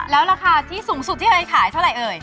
แล้วราคาที่สูงสุดที่เคยขายเท่าไหร่เอ่ย